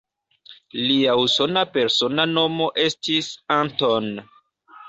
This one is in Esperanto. Lia usona persona nomo estis "Anton".